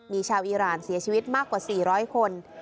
มีชาวอีรานเสียชีวิตมากกว่า๔๐๐คน